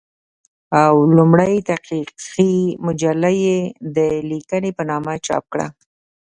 او لومړۍ تحقيقي مجله يې د "ليکنې" په نامه چاپ کړه